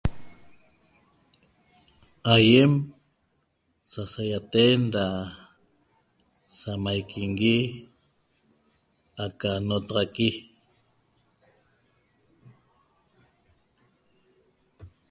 Aýem sasaýaten da samaiquingui aca notaxaqui